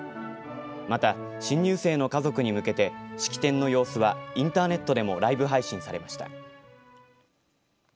また、新入生の家族に向けて式典の様子はインターネットでもライブ配信されました。